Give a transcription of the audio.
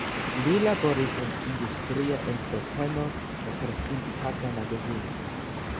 Li laboris en industria entrepreno kaj por sindikata magazino.